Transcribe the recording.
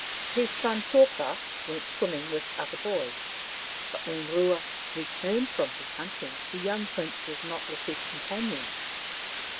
His son Toka went swimming with other boys ; but when Rua re turned from his hunting the young prince was not with his companions.